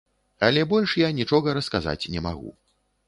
Але больш я нічога расказаць не магу.